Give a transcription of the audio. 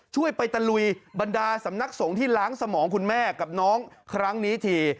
ช่วยไปตะลุยบรรดาสำนักสงฆ์ที่ล้างสมองคุณแม่กับน้องครั้งนี้ที